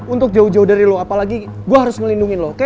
untuk jauh jauh dari lu apalagi gua harus ngelindungin lu oke